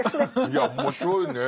いや面白いね。